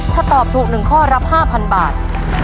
ถ้าตอบถูกหนึ่งข้อรับห้าพันบาท